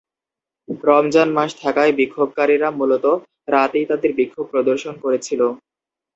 রমজান মাস থাকায় বিক্ষোভকারীরা মূলত রাতেই তাদের বিক্ষোভ প্রদর্শন করেছিল।